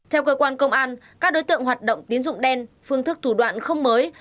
theo cơ quan công an các đối tượng hoạt động tín dụng đen phương thức thủ đoạn không mới